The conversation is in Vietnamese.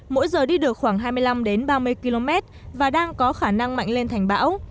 mỗi giờ đi được khoảng hai mươi năm ba mươi km và đang có khả năng mạnh lên thành bão